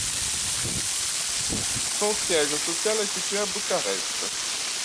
Son siège social est situé à Bucarest.